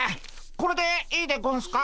これでいいでゴンスか？